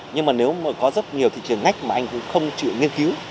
nhưng mà nếu mà có rất nhiều thị trường ngách mà anh cũng không chịu nghiên cứu